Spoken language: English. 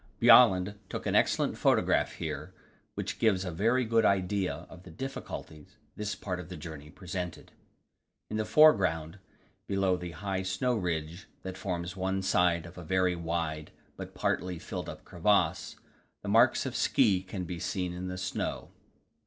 Bjaaland took an excellent photograph here, which gives a very good idea of the difficulties this part of the journey presented. In the foreground, below the high snow ridge that forms one side of a very wide but partly filled up crevasse, the marks of ski can be seen in the snow.